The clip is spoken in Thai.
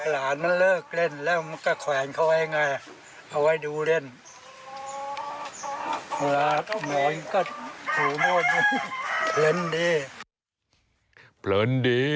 เลินดี